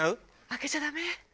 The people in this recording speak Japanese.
開けちゃダメ。